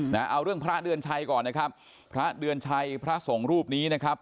เอาเรื่องพระเดือนชัยก่อนนะครับพระเดือนชัยพระสงฆ์รูปนี้นะครับ